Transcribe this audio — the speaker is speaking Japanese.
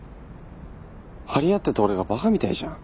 張り合ってた俺がバカみたいじゃん。